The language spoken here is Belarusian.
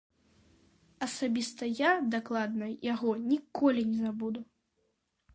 Асабіста я дакладна яго ніколі не забуду.